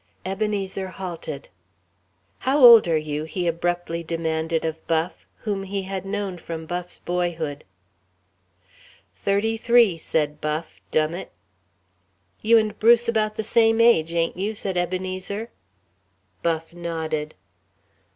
Ebenezer halted. "How old are you?" he abruptly demanded of Buff whom he had known from Buff's boyhood. "Thirty three," said Buff, "dum it." "You and Bruce about the same age, ain't you?" said Ebenezer. Buff nodded.